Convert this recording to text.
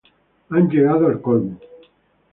Han llegado al colmo.